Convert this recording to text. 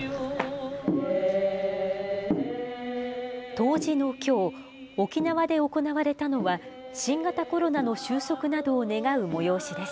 冬至のきょう、沖縄で行われたのは、新型コロナの収束などを願う催しです。